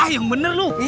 ah yang bener loh